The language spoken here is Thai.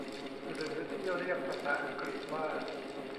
หรือที่เรียกภาษาอังกฤษว่า